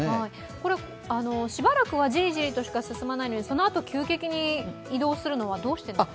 これ、しばらくはジリジリとしか進まないのにそのあと急激に移動するのは、どうしてなんですか？